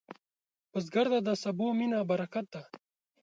بزګر ته د سبو مینه برکت ده